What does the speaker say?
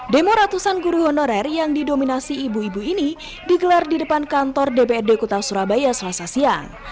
demo ratusan guru honorer yang didominasi ibu ibu ini digelar di depan kantor dprd kota surabaya selasa siang